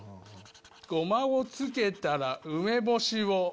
ゴマを付けたら梅干しを